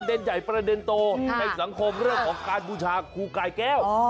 เป็นเด่นใหญ่ประเด็นโตในสังคมเรื่องของการบูชาครูไก่แก้ว